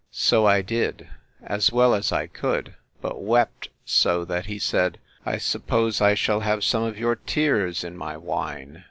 So I did, as well as I could; but wept so, that he said, I suppose I shall have some of your tears in my wine!